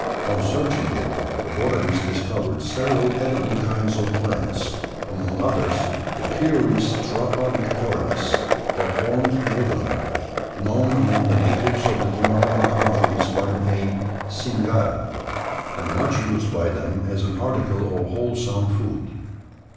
On searching it, the botanist discovered several edible kinds of plants; among others the curious Trapa bicornis, or horned water nut known among the natives of the Himalayan countries by the name Singara, and much used by them as an article of wholesome food.